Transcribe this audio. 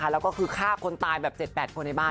แล้วก็คือฆ่าคนตายแบบ๗๘คนในบ้าน